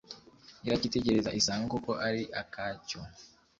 irakitegereza isanga koko ari akacyo.